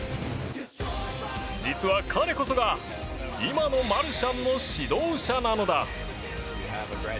実は彼こそが今のマルシャンの指導者なのだ。